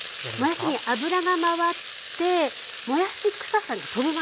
もやしに油が回ってもやし臭さが飛ぶまで。